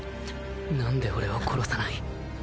何で俺を殺さない？